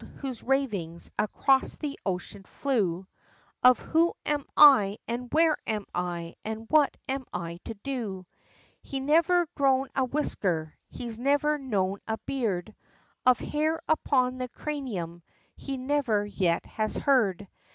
whose ravings Across the ocean flew, Of "Who am I? and where am I? and what am I to do?" He's never grown a whisker, he's never known a beard! Of hair upon the cranium, he never yet has heard!